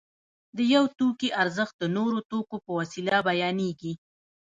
د یو توکي ارزښت د نورو توکو په وسیله بیانېږي